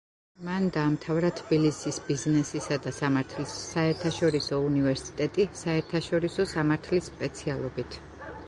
მან დაამთავრა თბილისის ბიზნესისა და სამართლის საერთაშორისო უნივერსიტეტი საერთაშორისო სამართლის სპეციალობით.